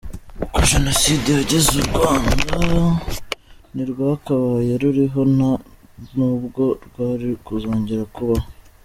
Uko Jenoside yagize u Rwanda, ntirwakabaye ruriho, nta nubwo rwari kuzongera kubaho.